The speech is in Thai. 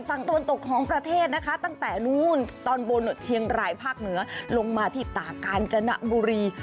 ฝั่งตะวันตกของประเทศนะคะตั้งแต่นู้นตอนบนเชียงรายภาคเหนือลงมาที่ตากาญจนบุรี